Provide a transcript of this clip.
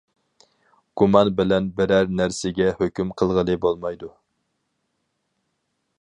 گۇمان بىلەن بىرەر نەرسىگە ھۆكۈم قىلغىلى بولمايدۇ.